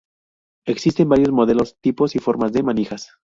Existen varios modelos, tipos y formas de manijas.